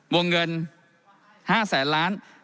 วงเงิน๕แสนล้าน